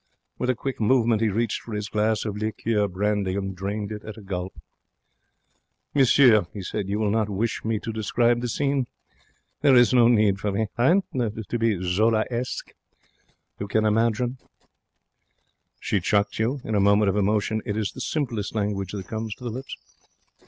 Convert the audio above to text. With a quick movement he reached for his glass of liqueur brandy and drained it at a gulp. 'Monsieur,' he said, 'you will not wish me to describe the scene? There is no need for me hein? to be Zolaesque. You can imagine?' 'She chucked you?' In moments of emotion it is the simplest language that comes to the lips.